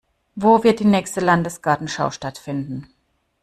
Wo wird die nächste Landesgartenschau stattfinden?